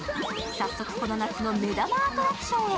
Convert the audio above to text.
早速この夏の目玉アトラクションへ。